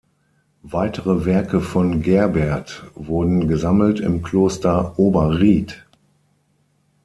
Weitere Werke von Gerbert wurden gesammelt im Kloster Oberried.